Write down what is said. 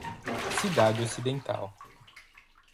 Cidade Ocidental